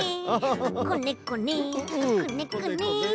こねこね！